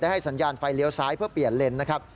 ให้สัญญาณไฟเลี้ยวซ้ายเพื่อเปลี่ยนเลนนะครับ